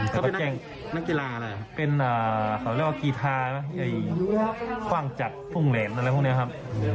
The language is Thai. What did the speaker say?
เขาเป็นนักกีฬาอะไรครับ